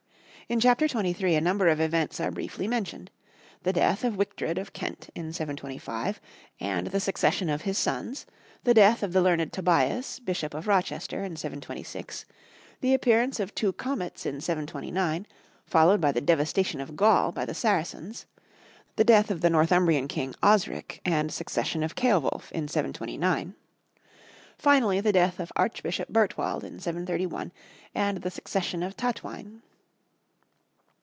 In Chapter 23 a number of events are briefly mentioned; the death of Wictred of Kent in 725, and the succession of his sons, the death of the learned Tobias, Bishop of Rochester, in 726, the appearance of two comets in 729, followed by the devastation of Gaul by the Saracens, the death of the Northumbrian king Osric, and succession of Ceolwulf in 729; finally, the death of Archbishop Bertwald in 731 and the succession of Tatwine.